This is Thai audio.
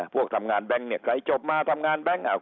พวกทำงานแบงก์ใครจบมาทำงานแบงก์